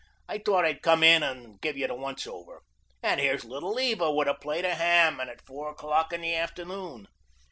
"I thought I'd come in and give you the once over. And here's Little Eva with a plate of ham and at four o'clock in the afternoon."